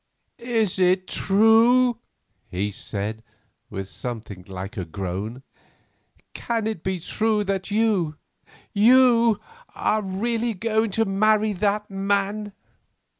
"Is it true," he said, with something like a groan, "can it be true that you—you are really going to marry that man?"